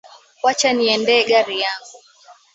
Wacha niendee gari yangu.